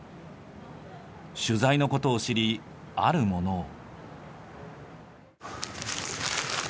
取材のことを知りあるものを。